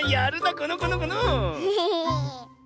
このこのこの！へへ！